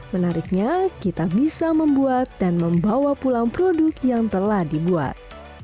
menariknya kita bisa membuat dan membawa pulang produk yang telah dibuat